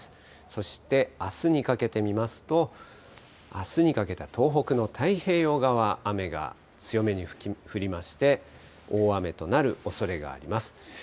そして、あすにかけて見ますと、あすにかけては東北の太平洋側、雨が強めに降りまして、大雨となるおそれがあります。